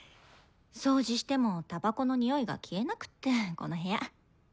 掃除してもたばこの臭いが消えなくってこの部屋。